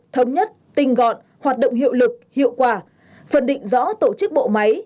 thống nhất tinh gọn hoạt động hiệu lực hiệu quả phân định rõ tổ chức bộ máy